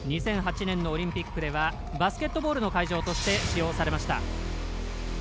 ２００８年のオリンピックではバスケットボールの会場として使用されました。